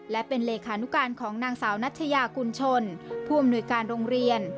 และเป็นเลขานุการของนางสาวนัทยากุญชนผู้อำนวยการโรงเรียน